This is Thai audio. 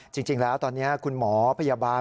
จริงแล้วตอนนี้คุณหมอพยาบาล